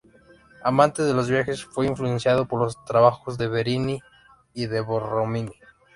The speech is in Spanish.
Amante de los viajes, fue influenciado por los trabajos de Bernini y de Borromini.